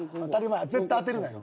絶対当てるなよ？